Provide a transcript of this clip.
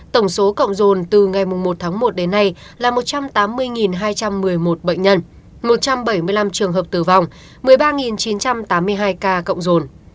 tổng số cộng dồn từ ngày một tháng một đến nay là một trăm tám mươi hai trăm một mươi một bệnh nhân một trăm bảy mươi năm trường hợp tử vong một mươi ba chín trăm tám mươi hai ca cộng rồn